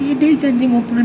iya dia janji mau pulang